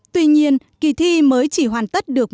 tuy nhiên kỳ thi mới chỉ hoàn tất được